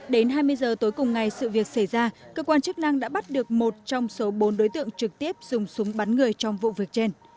đến hai mươi giờ tối cùng ngày sự việc xảy ra cơ quan chức năng đã bắt được một trong số bốn đối tượng trực tiếp dùng súng bắn người trong vụ việc trên